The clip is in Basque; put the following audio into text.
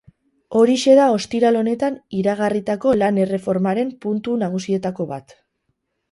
Horixe da ostiral honetan iragarritako lan-erreformaren puntu nagusietako bat.